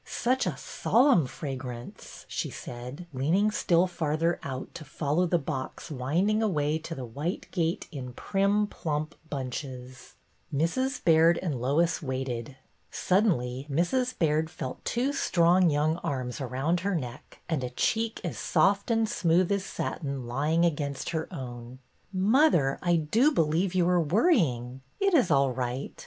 Such a solemn fragrance," she said, leaning still farther out to follow the box winding away to the white gate in prim, plump bunches. io8 BETTY BAIRD'S VENTURES Mrs. Baird and Lois waited. Suddenly Mrs. Baird felt two strong young arms around her neck, and a cheek as soft and smooth as satin lying against her own. " Mother, I do believe you are worrying. It is all right.